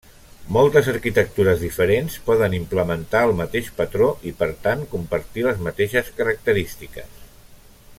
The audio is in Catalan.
Moltes arquitectures diferents poden implementar el mateix patró i per tant compartir les mateixes característiques.